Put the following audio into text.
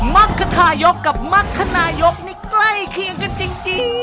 มักคทายกกับมรรคนายกนี่ใกล้เคียงกันจริง